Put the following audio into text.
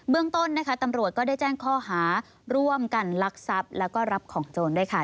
ต้นนะคะตำรวจก็ได้แจ้งข้อหาร่วมกันลักทรัพย์แล้วก็รับของโจรด้วยค่ะ